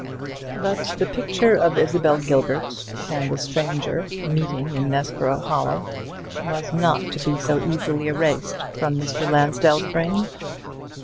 But the picture of Isabel Gilbert and the stranger meeting in Nessborough Hollow was not to be so easily erased from Mr. Lansdell's brain.